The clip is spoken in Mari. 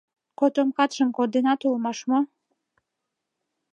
— Котомкатшым коденат улмаш мо?